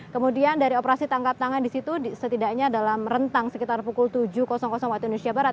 kemudian dari operasi tangkap tangan di situ setidaknya dalam rentang sekitar pukul tujuh waktu indonesia barat